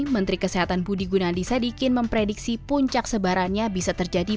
menteri kesehatan budi gunadisadikin memprediksi puncak sebarannya bisa terjadi